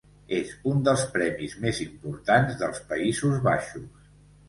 És un dels premis més importants dels Països Baixos.